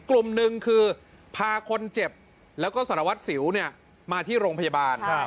กลุ่มหนึ่งคือพาคนเจ็บแล้วก็สารวัตรสิวมาที่โรงพยาบาล